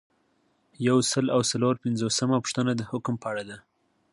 یو سل او څلور پنځوسمه پوښتنه د حکم په اړه ده.